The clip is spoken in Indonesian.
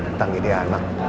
mas yang kuat mas